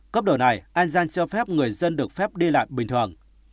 cấp đổi này an giang cho phép người dân được phép đi lại bình thường